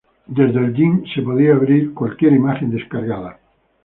Desde Photoshop se podía abrir cualquier imagen descargada.